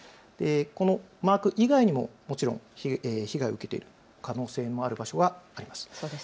このマーク以外にももちろん被害を受けている可能性がある場所もあります。